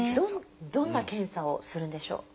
どんな検査をするんでしょう？